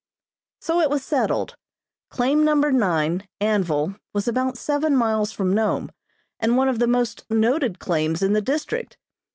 So it was settled. Claim number nine, Anvil, was about seven miles from Nome, and one of the most noted claims in the district.